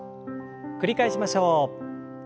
繰り返しましょう。